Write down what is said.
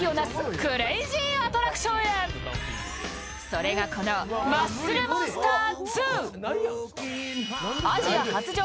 それが、このマッスルモンスター２。